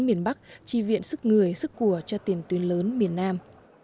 miền bắc chi viện sức người sức của cho tiền tuyến lớn miền nam